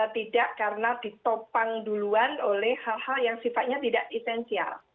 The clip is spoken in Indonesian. tidak karena ditopang duluan oleh hal hal yang sifatnya tidak esensial